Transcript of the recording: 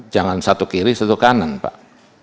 jangan satu kiri satu kanan pak